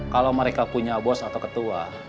kalau mereka punya bos atau ketua